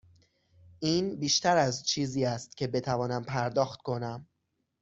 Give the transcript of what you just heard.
این بیشتر از چیزی است که بتوانم پرداخت کنم.